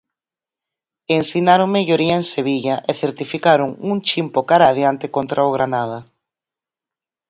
Ensinaron melloría en Sevilla e certificaron un chimpo cara adiante contra o Granada.